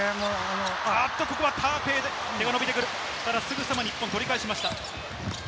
ここはターペイ、手が伸びてくる、すぐさま日本、取り返しました。